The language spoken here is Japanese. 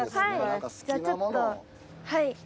はい。